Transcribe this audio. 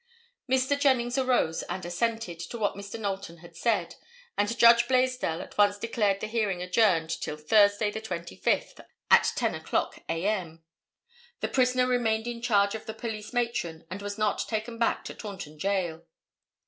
Mr. Jennings arose and assented to what Mr. Knowlton had said, and Judge Blaisdell at once declared the hearing adjourned till Thursday the 25th, at ten o'clock, a. m. The prisoner remained in charge of the police matron and was not taken back to Taunton Jail.